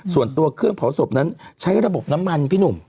ส่วนตัวเครื่องเผาศพนั้นใช้ระบบน้ำมันพี่หนุ่ม